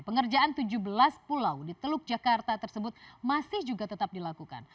pengerjaan tujuh belas pulau di teluk jakarta tersebut masih juga tetap dilakukan